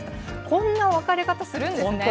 こんな分かれ方するんですね。